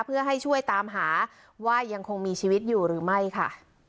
เพื่อให้ช่วยตามหาว่ายังคงมีชีวิตอยู่หรือไม่ค่ะ